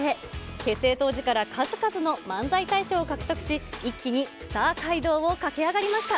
結成当時から数々の漫才大賞を獲得し、一気にスター街道を駆け上がりました。